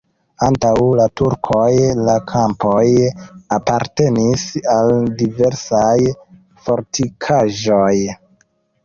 Antaŭ la turkoj la kampoj apartenis al diversaj fortikaĵoj.